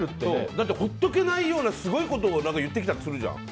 だって、ほっとけないようなすごいことを言ってきたりするじゃん。